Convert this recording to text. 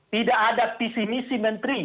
tidak ada visi misi menteri